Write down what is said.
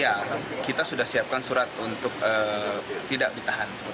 ya kita sudah siapkan surat untuk tidak ditahan